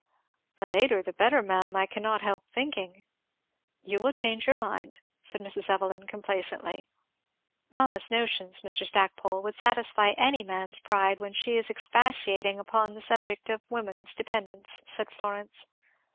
"The later the better, ma'am, I cannot help thinking." "You will change your mind," said Mrs. Evelyn complacently. "Mamma's notions, Mr. Stackpole, would satisfy any man's pride, when she is expatiating upon the subject of woman's dependence," said Florence.